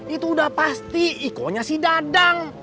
itu udah pasti ikonnya si dadang